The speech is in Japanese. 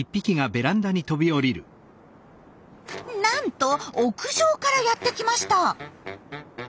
なんと屋上からやってきました。